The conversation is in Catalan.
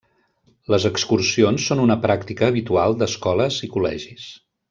Les excursions són una pràctica habitual d'escoles i col·legis.